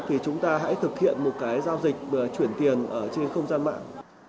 thì chúng ta hãy thực hiện một cái giao dịch chuyển tiền ở trên không gian mạng